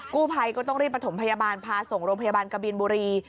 กู้ภัยก็ต้องรีบประถมพยาบาลพาส่งโรงพยาบาลกบินบุรี